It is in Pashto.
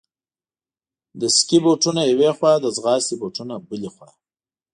د سکې بوټونه یوې خوا، د ځغاستې بوټونه بلې خوا.